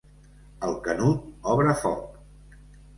El Canut obre foc.